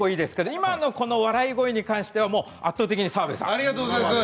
今の笑い声に関しては圧倒的に澤部さん